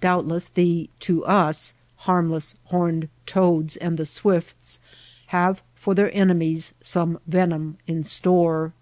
Doubtless the (to us) harmless horned toads and the swifts have for their enemies some venom in store.